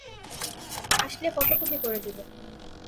আসলে ফটোকপি করে দিবো।